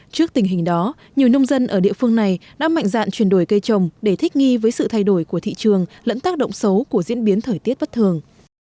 trước tình hình đó nhiều nông dân ở địa phương này đã mạnh dạn chuyển đổi cây trồng để thích nghi với sự thay đổi của thị trường lẫn tác động xấu của diễn biến thời tiết bất thường